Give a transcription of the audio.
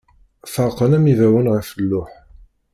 Ferqen am ibawen ɣef luḥ.